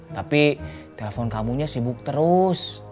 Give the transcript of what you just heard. tapi telepon kamu nya sibuk terus